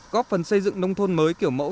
góp phần xây dựng nông thôn mới kiểu mẫu